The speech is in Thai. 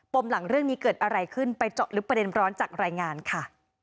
มหลังเรื่องนี้เกิดอะไรขึ้นไปเจาะลึกประเด็นร้อนจากรายงานค่ะ